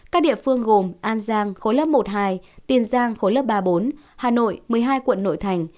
các địa phương gồm an giang khối lớp một hai tiền giang khối lớp ba bốn hà nội một mươi hai quận nội thành